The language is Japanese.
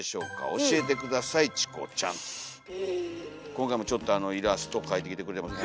今回もちょっとあのイラスト描いてきてくれてます。